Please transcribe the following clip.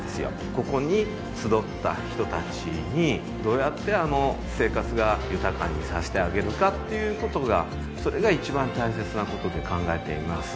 ここに集った人達にどうやって生活が豊かにさしてあげるかっていうことがそれが一番大切なことと考えています